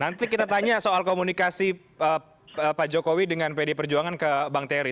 nanti kita tanya soal komunikasi pak jokowi dengan pd perjuangan ke bang terry